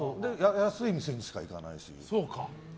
安い店にしか行かないし。